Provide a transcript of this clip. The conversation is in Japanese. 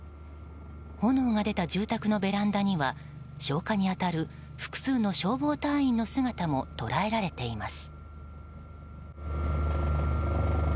炎が出た住宅のベランダには消火に当たる複数の消防隊員の姿も捉えられています。